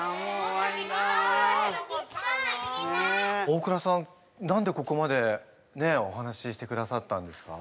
大倉さん何でここまでねえお話ししてくださったんですか？